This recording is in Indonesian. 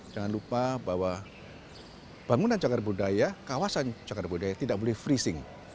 jangan lupa bahwa bangunan cagar budaya kawasan cagar budaya tidak boleh freesing